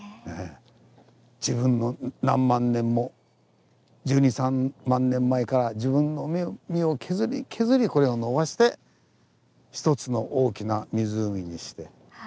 自分の何万年も１２１３万年前から自分の身を削り削りこれをのばして一つの大きな湖にして。